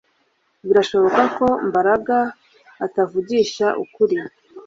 Birashoboka ko Mbaraga atavugisha ukuri